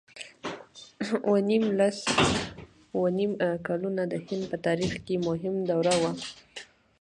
اووه نېم لس اووه نېم کلونه د هند په تاریخ کې مهمه دوره ده.